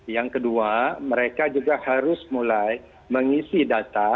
yang kedua mereka juga harus mulai mengisi data